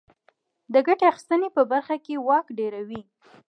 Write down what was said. د ګټې اخیستنې په برخه کې واک ډېروي.